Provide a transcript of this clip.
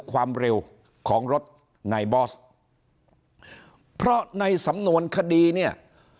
ความเร็วของรถนายบอสเพราะในสำนวนคดีเนี่ย